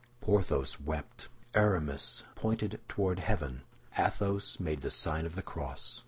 Porthos wept; Aramis pointed toward heaven; Athos made the sign of the cross.